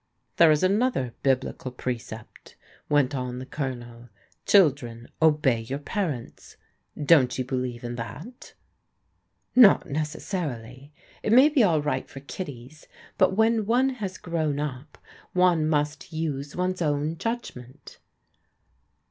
"There is another Biblical precept," went on the Colonel. "' Children, obey your parents.' Don't you believe in that ?"" Not necessarily. It may be all right for kiddies ; but when one has grown up, one must use one's own judg ment."